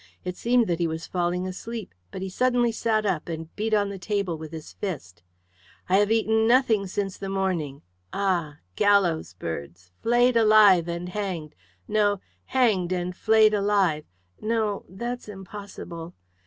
It seemed that he was falling asleep, but he suddenly sat up and beat on the table with his fist. "I have eaten nothing since the morning. Ah gallows birds flayed alive, and hanged no, hanged and flayed alive no, that's impossible."